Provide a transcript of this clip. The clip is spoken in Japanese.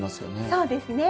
そうですね